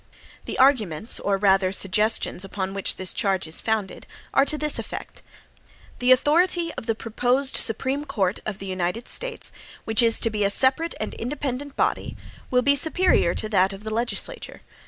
The arguments, or rather suggestions, upon which this charge is founded, are to this effect: "The authority of the proposed Supreme Court of the United States, which is to be a separate and independent body, will be superior to that of the legislature.